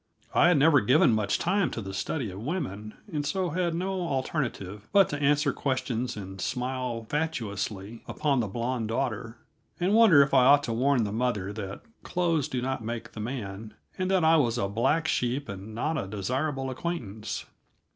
I had never given much time to the study of women, and so had no alternative but to answer questions and smile fatuously upon the blond daughter, and wonder if I ought to warn the mother that "clothes do not make the man," and that I was a black sheep and not a desirable acquaintance.